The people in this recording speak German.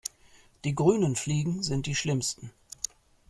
Die grünen Fliegen sind die schlimmsten.